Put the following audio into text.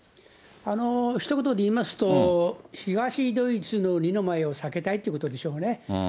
ひと言で言いますと、東ドイツの二の舞を避けたいというところでしょうね。